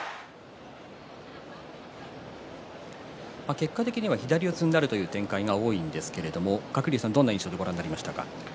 結果的には左四つになる展開が多いんですけれども鶴竜さんはどんな印象でご覧になりましたか。